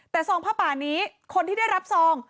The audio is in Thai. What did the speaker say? แต่ซองผ้าป่านี้คนที่ได้รับซอง